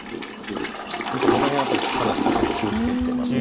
この辺やっぱりかなり気を付けてます。